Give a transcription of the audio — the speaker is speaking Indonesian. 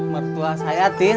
mertua saya tin